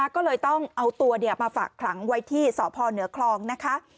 ก็เลยต้องเอาตัวมาฝากขังไว้ที่สพเหนือคลองนะคะ